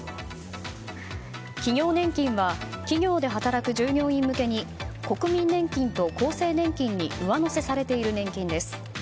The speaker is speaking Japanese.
企業年金は企業で働く従業員向けに国民年金と厚生年金に上乗せされている年金です。